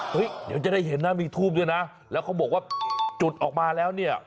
เดี๋ยวจะได้เห็นนะมีทูบด้วยนะแล้วเขาบอกว่าจุดออกมาแล้วเนี่ย